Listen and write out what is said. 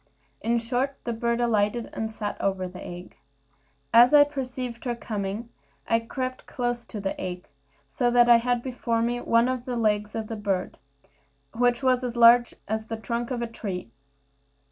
In short, the bird alighted, and sat over the egg. As I perceived her coming, I crept close to the egg, so that I had before me one of the legs of the bird, which was as big as the trunk of a tree.